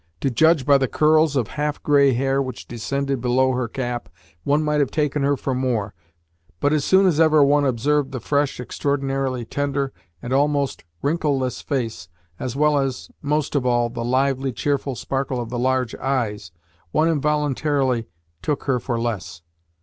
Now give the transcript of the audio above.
To judge by the curls of half grey hair which descended below her cap one might have taken her for more, but as soon as ever one observed the fresh, extraordinarily tender, and almost wrinkleless face, as well as, most of all, the lively, cheerful sparkle of the large eyes, one involuntarily took her for less.